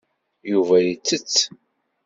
Yuba yettett.